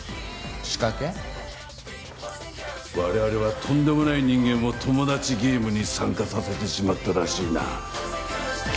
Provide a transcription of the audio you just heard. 我々はとんでもない人間をトモダチゲームに参加させてしまったらしいな。